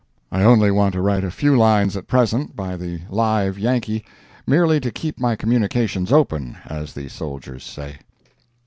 I only want to write a few lines at present by the Live Yankee, merely to keep my communications open, as the soldiers say.